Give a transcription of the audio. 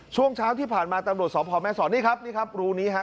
ช่วงเช้าที่ผ่านมาตำรวจสพแม่สอดนี่ครับนี่ครับรูนี้ฮะ